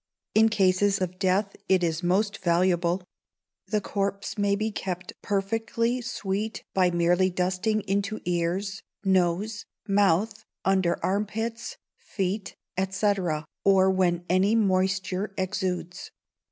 In cases of death it is most valuable; the corpse may be kept perfectly sweet by merely dusting into ears, nose, mouth, under arm pits, feet, &c., or when any moisture exudes.